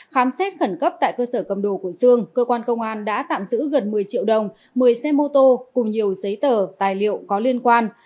khám xét khẩn cấp tại cơ sở cầm đồ của sương cơ quan công an đã tạm giữ gần một mươi triệu đồng một mươi xe mô tô cùng nhiều giấy tờ tài liệu có liên quan